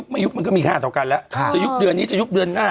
ฮ่าฮ่าฮ่าฮ่าฮ่า